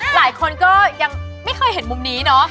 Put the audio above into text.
หลายคนก็ยังไม่เคยเห็นมุมนี้เนาะ